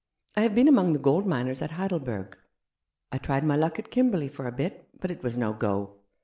I have been among the gold miners at Heidelberg. I tried my luck at Kimberley for a bit, but it was no go.